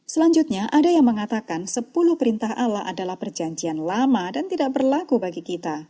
selanjutnya ada yang mengatakan sepuluh perintah allah adalah perjanjian lama dan tidak berlaku bagi kita